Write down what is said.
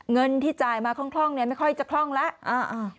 เงินที่จ่ายมาคล่องเนี่ยไม่ค่อยจะคล่องแล้ว